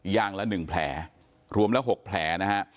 อย่างละ๑แผลรวมละ๖แผลนะฮะ